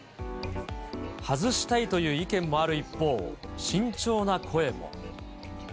外したいという意見もある一方、慎重な声も。